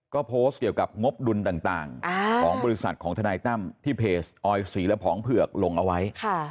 ก็โพสต์เกี่ยวกับงบดุลต่างของบริษัทของทนายตั้มที่เพจออยศรีและผองเผือกลงเอาไว้